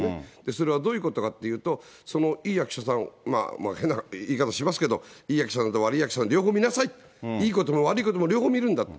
それはどういうことかというと、そのいい役者さん、変な言い方しますけど、いい役者さんと悪い役者さん、両方見なさい、いいことも悪いことも両方見るんだと。